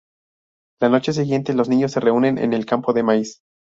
La noche siguiente, los niños se reúnen en el campo de maíz.